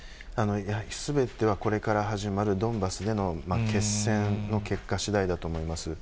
やはりすべてはこれから始まるドンバスでの決戦の結果しだいだと思います。